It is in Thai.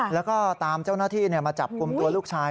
แล้วก็ตามเจ้าหน้าที่มาจับกลุ่มตัวลูกชาย